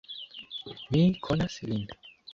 Mi konas lin!